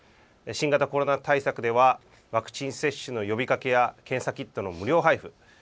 新型コロナ対策ではワクチン接種の呼びかけや検査キットの無料配布